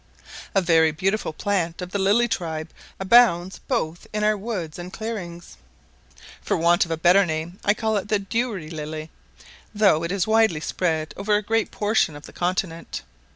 A very beautiful plant of the lily tribe abounds both in our woods and clearings; for want of a better name, I call it the douri lily, though it is widely spread over a great portion of the continent.